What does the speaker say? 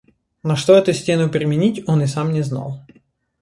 На что эту стену применить, он и сам не знал.